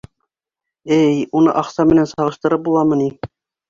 Эй, уны аҡса менән сағыштырып буламы ни?